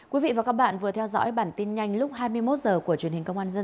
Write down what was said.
quý vị và các bạn vừa theo dõi bản tin nhanh lúc hai mươi một h ba mươi